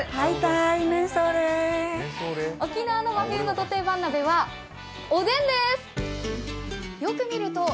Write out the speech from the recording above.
沖縄の真冬のド定番鍋は、おでんです。